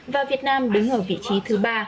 và việt nam đứng ở vị trí thứ ba